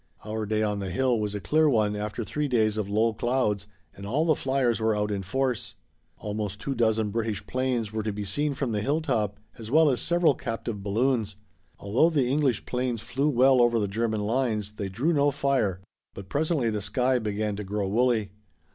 Our day on the hill was a clear one after three days of low clouds, and all the fliers were out in force. Almost two dozen British 'planes were to be seen from the hilltop, as well as several captive balloons. Although the English 'planes flew well over the German lines, they drew no fire, but presently the sky began to grow woolly.